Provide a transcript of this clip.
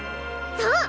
そう！